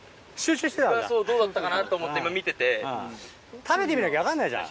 どうだったかなって、今見て食べてみなきゃ分かんないじゃん。